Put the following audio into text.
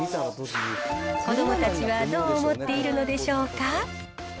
子どもたちはどう思っているのでしょうか。